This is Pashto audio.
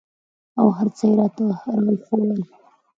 او هرڅه يې راته راوښوول.